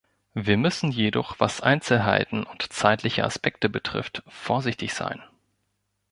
Wir müssen jedoch, was Einzelheiten und zeitliche Aspekte betrifft, vorsichtig sein.